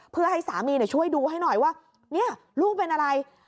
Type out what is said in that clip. เพื่อให้สามีช่วยดูให้หน่อยว่าเนี่ยลูกเป็นอะไร